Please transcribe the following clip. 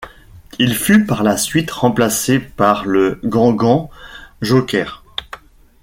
Il fut par la suite remplacé par le Gangan Joker.